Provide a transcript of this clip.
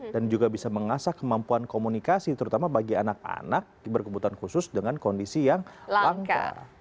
dan juga bisa mengasah kemampuan komunikasi terutama bagi anak anak berkebutuhan khusus dengan kondisi yang langka